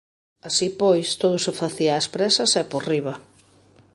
Así pois, todo se facía ás présas e por riba.